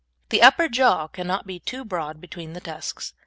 The upper jaw cannot be too broad between the tusks.